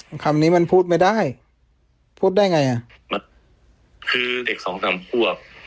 คำนี้มันพูดไม่ได้พูดได้ไงอ่ะมันคือเด็กสองสามควบ